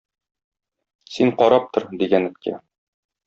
Син карап тор, - дигән эткә.